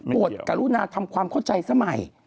กรุณาทำความเข้าใจสมัย